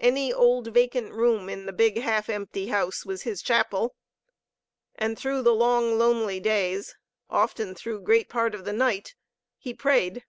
Any old vacant room in the big, half empty house was his chapel. And through the long, lonely days, often through great part of the night, he prayed.